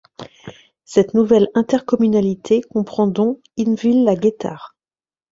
Cette nouvelle intercommunalité comprend dont Intville-la-Guétard.